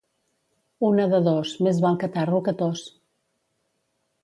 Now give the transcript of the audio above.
Una de dos, més val catarro que tos.